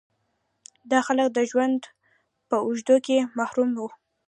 دا خلک د ژوند په اوږدو کې محروم وو.